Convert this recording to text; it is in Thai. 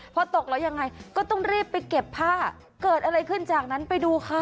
พอตกแล้วยังไงก็ต้องรีบไปเก็บผ้าเกิดอะไรขึ้นจากนั้นไปดูค่ะ